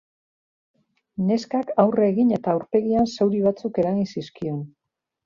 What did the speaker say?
Neskak aurre egin eta aurpegian zauri batzuk eragin zizkion.